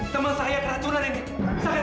teman saya keracunan ini